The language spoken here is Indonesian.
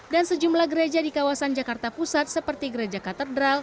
dan sejumlah gereja di kawasan jakarta pusat seperti gereja katedral